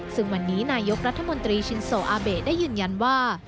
ซึ่งวันนี้นายกรัฐมนตรีชินโซอาเบะได้ยืนยันว่า